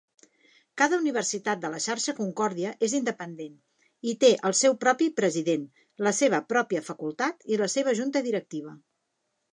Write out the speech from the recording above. Cada universitat de la xarxa Concordia és independent i té el seu propi president, la seva pròpia facultat i la seva junta directiva.